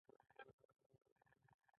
انسان بې وزرو مرغه دی، نن دلته سبا هلته وي.